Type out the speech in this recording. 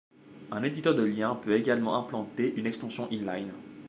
Un éditeur de liens peut également implanter une extension inline.